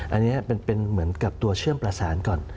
อันนี้เป็นเหมือนกับตัวเชื่อมประสานก่อน